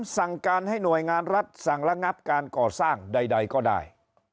สั่งการให้หน่วยงานรัฐสั่งระงับการก่อสร้างใดก็ได้